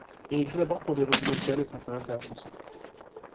Il écrit d'abord pour des revues locales, et s'intéresse à la chanson.